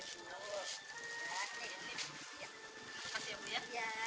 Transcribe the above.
coba boleh berarti ya semua belanjanya